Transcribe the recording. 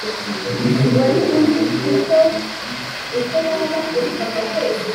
wirinde uhumure, witinya kandi we gukurwa